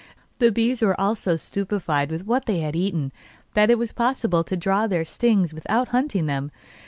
The bees were all so stupefied with what they had eaten that it was possible to draw their stings without hunting them.